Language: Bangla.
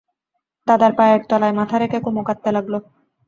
দাদার পায়ের তলায় মাথা রেখে কুমু কাঁদতে লাগল।